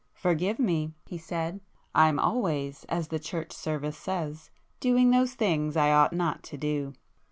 "Forgive me!" he said, "I'm always, as the church service says, doing those things I ought not to do."